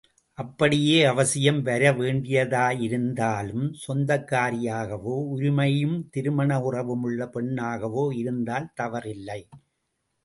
அப்படியே அவசியம் வரவேண்டியதாயிருந்தாலும் சொந்தக்காரியாகவோ உரிமையும் திருமண உறவும் உள்ள பெண்ணாகவோ இருந்தால் தவறில்லை.